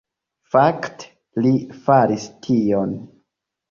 Fakte, li faris tion